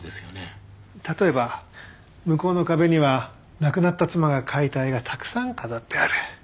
例えば向こうの壁には亡くなった妻が描いた絵がたくさん飾ってある。